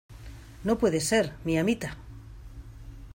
no puede ser, mi amita: